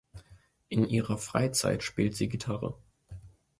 In ihrer Freizeit spielt sie Gitarre.